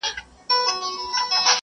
د اخلاقو رعایت په سوداګرۍ کي مهم دی.